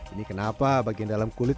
ini kenapa bagian dalam kulit